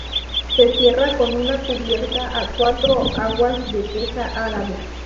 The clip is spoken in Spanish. Se cierra con una cubierta a cuatro aguas de teja árabe.